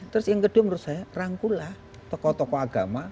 terus yang kedua menurut saya rangkulah tokoh tokoh agama